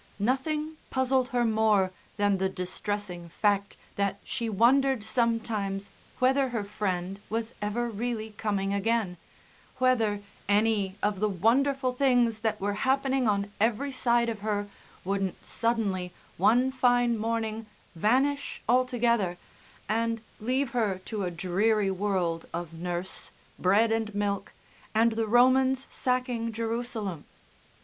Nothing puzzled her more than the distressing fact that she wondered sometimes whether her friend was ever really coming again, whether any of the wonderful things that were happening on every side of her wouldn't suddenly one fine morning vanish altogether, and leave her to a dreary world of nurse, bread and milk, and the Romans sacking Jerusalem.